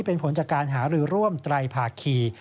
เป็นผลจากการหารือร่วมไตรภาคี